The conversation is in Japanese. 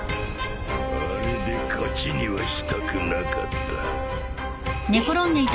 あれで勝ちにはしたくなかった。